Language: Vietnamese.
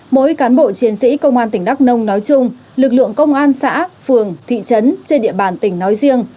mỗi cán bộ chiến sĩ công an tỉnh đắk nông nói chung lực lượng công an xã phường thị trấn trên địa bàn tỉnh nói riêng